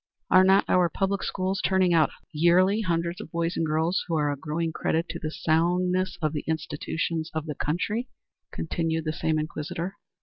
"Are not our public schools turning out yearly hundreds of boys and girls who are a growing credit to the soundness of the institutions of the country?" continued the same inquisitor.